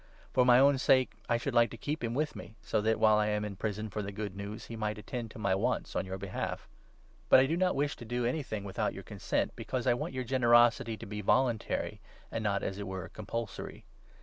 For 13 my own sake I should like to keep him with me, so that, while I am in prison for the Good News, he might, attend to my wants on your behalf. But I do not wish to do 14 anything without your consent, because I want your generosity o 386 PHILEMON. to be voluntary and not, as it were, compulsory.